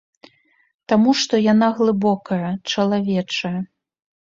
Таму што яна глыбокая, чалавечая.